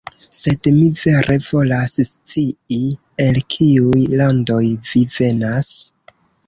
Sed, mi vere volas scii, el kiuj landoj vi venas.